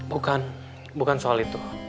bukan bukan soal itu